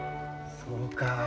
そうか。